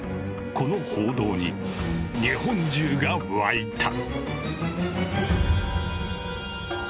この報道に日本中が沸いた。